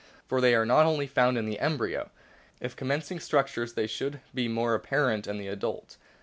For they are only found in the embryo ; if com mencing structures they should be more apparent in the adult.